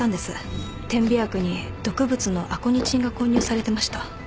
点鼻薬に毒物のアコニチンが混入されてました。